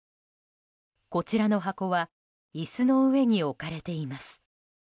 こちらの箱は椅子の上に置かれています。